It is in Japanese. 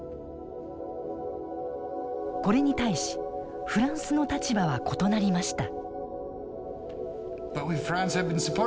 これに対しフランスの立場は異なりました。